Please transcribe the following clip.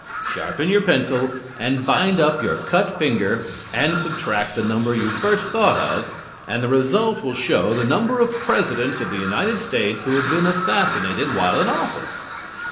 Sharpen your pencil and bind up your cut finger and subtract the number you first thought of, and the result will show the number of Presidents of the United States who have been assassinated while in office.